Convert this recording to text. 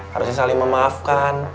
harusnya saling memaafkan